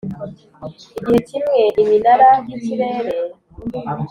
igihe kimwe iminara yikirere